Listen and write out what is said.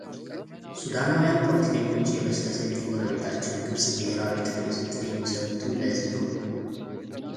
ሱዳናውያን ፖለቲከኞች የበስተሰሜን ጎረቤታቸው ግብጽ ብሔራዊ ጥቅሜ ስትል የሚሰጉትም ለዚሁ ነው።